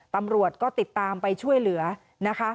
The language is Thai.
ตำรวจก็ติดตามไปช่วยเหลือนะคะ